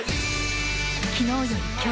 昨日より今日。